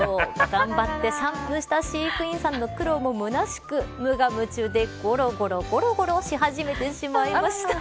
頑張ってシャンプーした飼育員さんの苦労もむなしく無我夢中で、ごろごろごろごろし始めてしまいました。